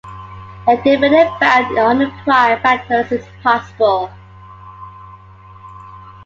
A definite bound on the prime factors is possible.